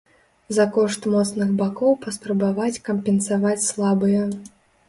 За кошт моцных бакоў паспрабаваць кампенсаваць слабыя.